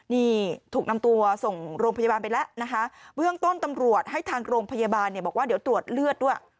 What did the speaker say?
นี่ถูกนำตัวส่งโรงพยาบาลไปแล้วนะคะเบื้องต้นตำรวจให้ทางโรงพยาบาลเนี่ยบอกว่าเดี๋ยวตรวจเลือดด้วย